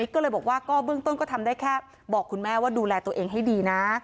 ก็เลยบอกว่าก็เบื้องต้นก็ทำได้แค่บอกคุณแม่ว่าดูแลตัวเองให้ดีนะ